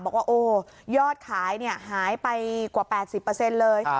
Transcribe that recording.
บอกว่าโอ้ยอดขายหายไปกว่า๘๐เลย